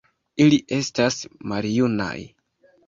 Ili estas maljunaj.